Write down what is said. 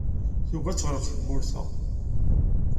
Tugi ad teɣleq tewwurt-a.